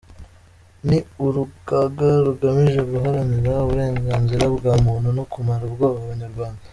Ni urugaga rugamije guharanira uburenganzira bwa muntu no kumara ubwoba Abanyarwanda.